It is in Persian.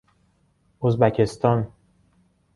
ازبکستان